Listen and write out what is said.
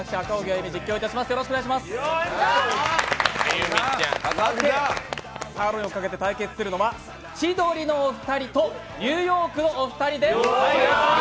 幸せサーロインをかけて対決するのは、千鳥のお二人とニューヨークのお二人です。